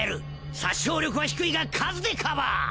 殺傷力は低いが数でカバー！